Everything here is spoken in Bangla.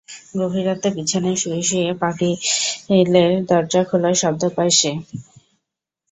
গভীর রাতে বিছানায় শুয়ে শুয়ে শাকিলের দরজা খোলার শব্দ পায় সে।